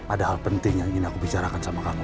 ada hal penting yang ingin aku bicarakan sama kamu